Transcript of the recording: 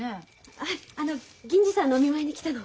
はいあの銀次さんのお見舞いに来たの。